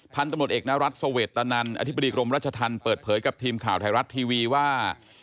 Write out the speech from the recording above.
พันธุ์ตำรวจเอกนรัฐสเวตนันอธิบดีกรมรัชธรรมเปิดเผยกับทีมข่าวไทยรัฐทีวีว่า